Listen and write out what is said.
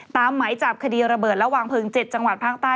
หมายจับคดีระเบิดและวางเพลิง๗จังหวัดภาคใต้